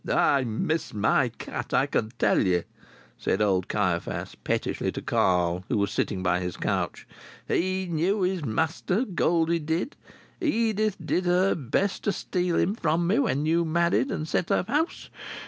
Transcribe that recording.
"I miss my cat, I can tell ye!" said old Caiaphas pettishly to Carl, who was sitting by his couch. "He knew his master, Goldie did! Edith did her best to steal him from me when you married and set up house.